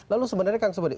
lalu sebenarnya kang subadi